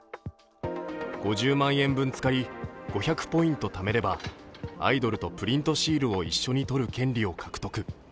５０万円分使い、５００ポイント貯めればアイドルとプリントシールを一緒に撮る権利を獲得。